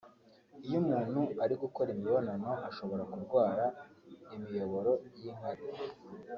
Iyo umuntu ari gukora imibonano ashobora kurwara imiyoboro y’inkari